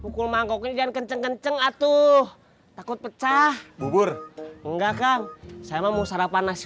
pukul mangkok ini dan kenceng kenceng aduh takut pecah bubur enggak kang saya mau sarapan nasi